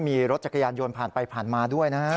มีรถจักรยานยนต์ผ่านไปผ่านมาด้วยนะฮะ